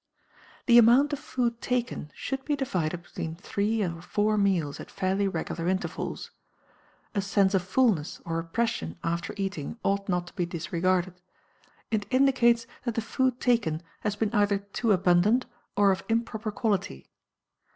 The amount of food taken should be divided between three or four meals at fairly regular intervals. A sense of fullness or oppression after eating ought not to be disregarded. It indicates that the food taken has been either too abundant or of improper quality.